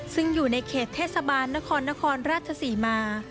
ซึ่งอยู่ในเขตเทศบาลนครนครราชศรีมา